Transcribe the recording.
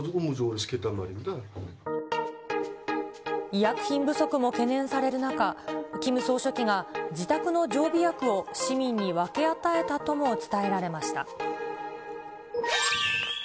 医薬品不足も懸念される中、キム総書記が自宅の常備薬を市民に分け与えたとも伝えられました。